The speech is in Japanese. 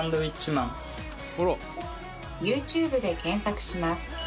「ＹｏｕＴｕｂｅで検索します」